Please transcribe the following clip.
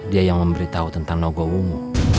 dia yang memberitahu tentang nogowo